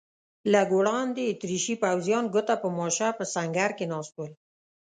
لږ وړاندې اتریشي پوځیان ګوته په ماشه په سنګر کې ناست ول.